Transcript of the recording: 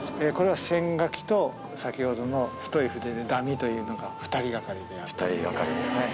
これは線書きと、先ほどの太い筆でだみというのが２人がかりでやっております。